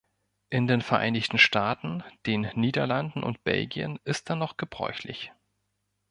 In den Vereinigten Staaten, den Niederlanden und Belgien ist er noch gebräuchlich.